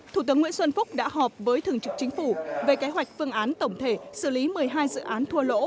thủ tướng nguyễn xuân phúc đã họp với thường trực chính phủ về kế hoạch phương án tổng thể xử lý một mươi hai dự án thua lỗ